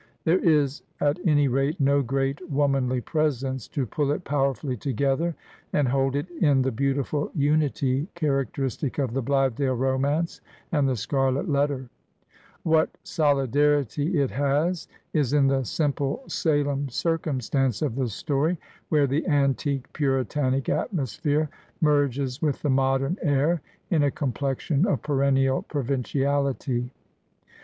There is at any rate no great womanly presence to pull it powerfully 163 Digitized by VjOOQIC HEROINES OF FICTION together, and hold it in the beautiftil unity charac* teristic of " The Blithedale Romance " and ;' The Scarlet Letter/' What solidarity it has is in the simple Salem circumstance of the story, where the antique Puritanic atmosphere merges with the modem air in a complexion of perainial provinciality.